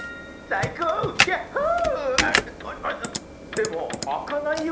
でもあかないよ。